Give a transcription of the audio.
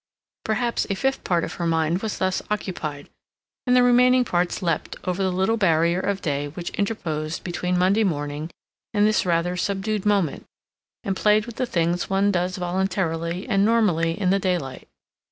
Perhaps a fifth part of her mind was thus occupied, and the remaining parts leapt over the little barrier of day which interposed between Monday morning and this rather subdued moment, and played with the things one does voluntarily and normally in the daylight.